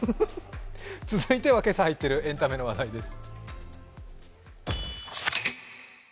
続いては今朝入っているエンタメの話題です。